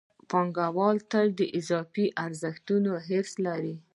پانګوال تل د اضافي ارزښت حرص لري